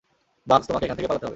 বাগস, তোমাকে এখান থেকে পালাতে হবে!